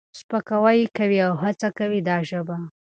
سپکاوی یې کوي او هڅه کوي دا ژبه